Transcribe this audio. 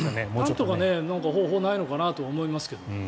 なんとか、方法がないのかなと思いますけど。